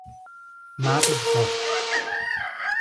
Matos Costa